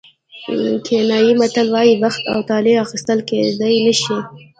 کینیايي متل وایي بخت او طالع اخیستل کېدای نه شي.